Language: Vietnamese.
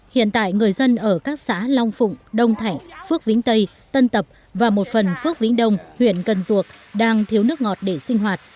hiện tại người dân ở các xã long phụng đông thảnh phước vĩnh tây tân tập và một phần phước vĩnh đông huyện cần duộc đang thiếu nước ngọt để sinh hoạt